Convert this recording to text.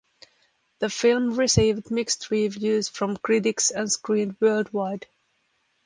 The film received mixed reviews from critics and screened worldwide.